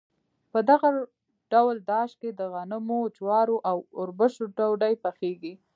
په دغه ډول داش کې د غنمو، جوارو او اوربشو ډوډۍ پخیږي.